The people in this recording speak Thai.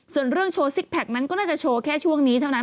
ส่วนเรื่องโชว์ซิกแพคนั้นก็น่าจะโชว์แค่ช่วงนี้เท่านั้น